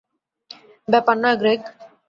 ব্যাপার নয়, গ্রেগ।